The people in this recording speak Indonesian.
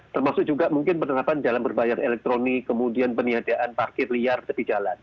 termasuk juga mungkin penerapan jalan berbayar elektronik kemudian peniadaan parkir liar tepi jalan